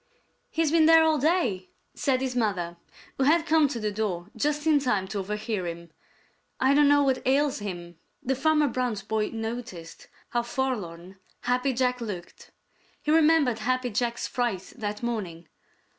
"He's been there all day," said his mother, who had come to the door just in time to overhear him. "I don't know what ails him." Then Farmer Brown's boy noticed how forlorn Happy Jack looked. He remembered Happy Jack's fright that morning.